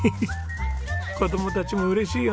子供たちも嬉しいよね。